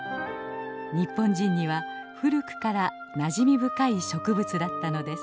日本人には古くからなじみ深い植物だったのです。